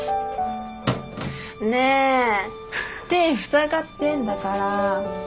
ねえ手ふさがってんだから。